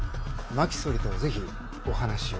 真木総理と是非お話を。